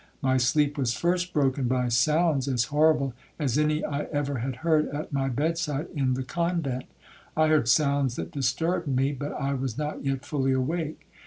My sleep was first broken by sounds as horrible as any I ever had heard at my bed side in the convent. I heard sounds that disturbed me, but I was not yet fully awake.